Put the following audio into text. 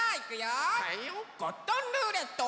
ゴットンルーレット。